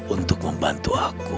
untuk membantu aku